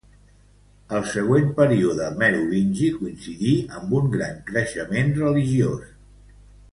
El següent període merovingi coincidí amb un gran creixement religiós.